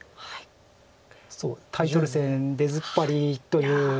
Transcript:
そうタイトル戦出ずっぱりという時期も。